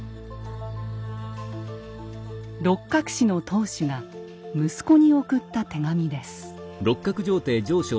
六角氏の当主が息子に送った手紙です。